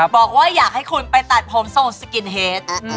บอกว่าอยากให้คุณไปตัดผมทรงสกินเฮด